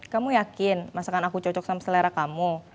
kamu yakin masakan aku cocok sama selera kamu